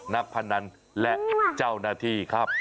พนันและเจ้าหน้าที่ครับ